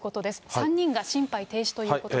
３人が心肺停止ということです。